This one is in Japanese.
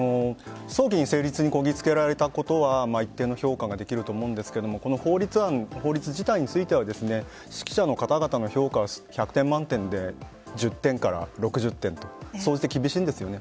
早期に成立にこぎつけたことは一定の評価ができると思うんですが法律案、法律自体については識者の方々の評価は１００点満点で１０点から６０点と総じて厳しいんですよね。